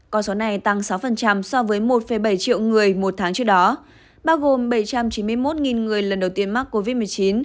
con số này tăng sáu so với một bảy triệu người một tháng trước đó bao gồm bảy trăm chín mươi một người lần đầu tiên mắc covid một mươi chín